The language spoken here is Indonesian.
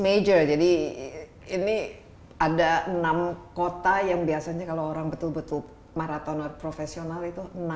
enam major jadi ini ada enam kota yang biasanya kalau orang betul betul maratoner profesional itu ada enam kota